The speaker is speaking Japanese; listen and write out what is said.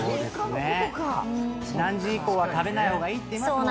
何時以降は食べない方がいいっていいますもんね。